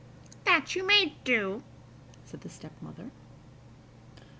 "That you may do," said the stepmother.